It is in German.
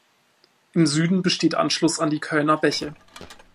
Im Süden besteht Anschluss an die Kölner Bäche.